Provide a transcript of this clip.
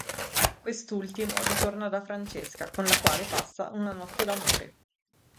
Quest'ultimo ritorna da Francesca, con la quale passa una notte d'amore.